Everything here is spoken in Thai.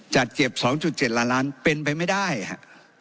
จัดเก็บ๒๗ล้านล้านเป็นไปไม่ได้ครับ